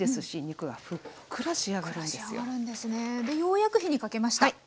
でようやく火にかけました。